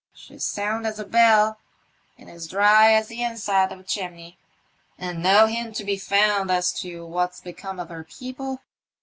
She's sound as a bell, and as dry as the inside of a chimney." " And no hint to be found as to what's become of her people